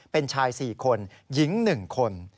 เป็นชาย๔คนหญิง๑คน